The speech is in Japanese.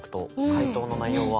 解答の内容は。